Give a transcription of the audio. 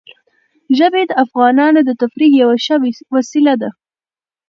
ژبې د افغانانو د تفریح یوه ښه وسیله ده.